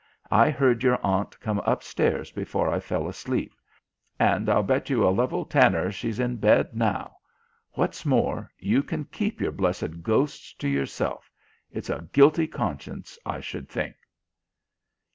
I heard your aunt come upstairs before I fell asleep. And I'll bet you a level tanner she's in bed now. What's more, you can keep your blessed ghosts to yourself. It's a guilty conscience, I should think."